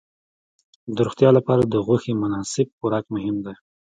د روغتیا لپاره د غوښې مناسب خوراک مهم دی.